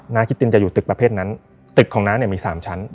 นาคิตตินจะอยู่ตึกประเภทนั้นตึกของนั้นมี๓ชั้น